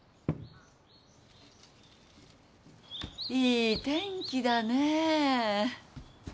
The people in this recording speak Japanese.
いい天気だねえ。